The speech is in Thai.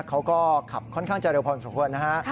เขาก็ขับค่อนข้างจะเร็วพอเหมือนสักคนนะฮะ